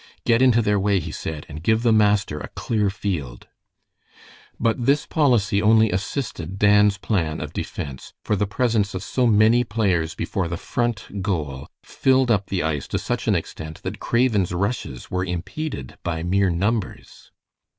"Get into their way," he said "and give the master a clear field." But this policy only assisted Dan's plan of defense, for the presence of so many players before the Front goal filled up the ice to such an extent that Craven's rushes were impeded by mere numbers.